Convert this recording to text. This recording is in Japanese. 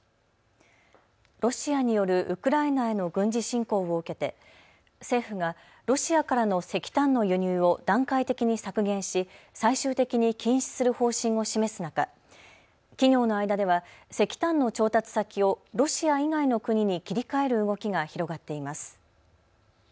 ロシアによるウクライナへの軍事侵攻を受けて政府がロシアからの石炭の輸入を段階的に削減し最終的に禁止する方針を示す中、企業の間では石炭の調達先をロシア以外の国に切り替える動きが広がっています。